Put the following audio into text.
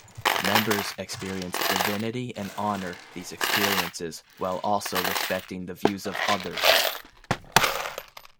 Members experience Divinity and honor these experiences while also respecting the views of others.